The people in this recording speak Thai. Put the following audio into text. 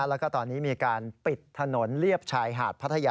แล้วก็ตอนนี้มีการปิดถนนเลียบชายหาดพัทยา